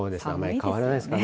変わらないですかね。